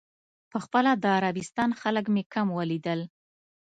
په خپله د عربستان خلک مې کم ولیدل.